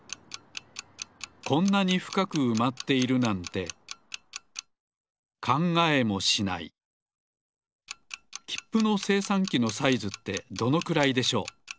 こんなにふかくうまっているなんてきっぷのせいさんきのサイズってどのくらいでしょう。